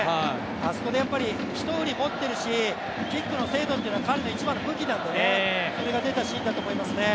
あそこで、一振り持っているし、キックの精度というのは彼の一番の武器なんでそれが出たシーンだと思いますね。